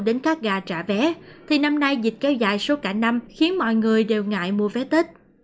đến các gà trả vé thì năm nay dịch kéo dài suốt cả năm khiến mọi người đều ngại mua vé tết